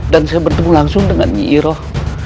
dan saya bertemu langsung dengan nyi iroh